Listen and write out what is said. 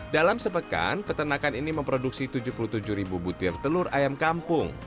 dalam sepekan peternakan ini memproduksi tujuh puluh tujuh ribu butir telur ayam kampung